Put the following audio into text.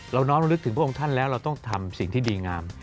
น้อมระลึกถึงพระองค์ท่านแล้วเราต้องทำสิ่งที่ดีงาม